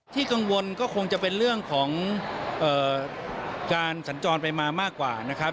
กังวลก็คงจะเป็นเรื่องของการสัญจรไปมามากกว่านะครับ